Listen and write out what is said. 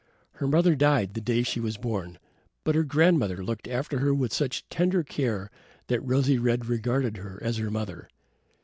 Her mother died the day she was born, but her grandmother looked after her with such tender care that Rosy red regarded her as her mother.